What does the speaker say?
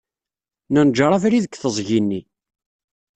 Nenjeṛ abrid deg teẓgi-nni.